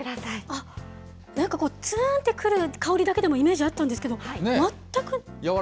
あっ、なんかこう、つーんと来る香りのイメージあったんですけど、全く。